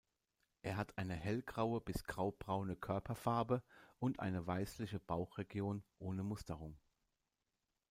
Er hat eine hellgraue bis graubraune Körperfarbe und eine weißliche Bauchregion ohne Musterung.